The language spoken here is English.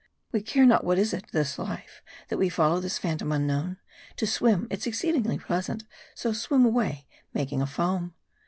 We care not what is it, this life That we follow, this phantom unknown : To swim, it's exceedingly pleasant, So swim away, making a foam.